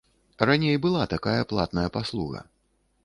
Раней была такая платная паслуга.